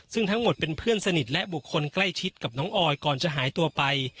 ซึ่งทั้งหมดเป็นเพื่อนสนิทและบุคคลใกล้ชิดกับน้องออยก่อนจะหายตัวไป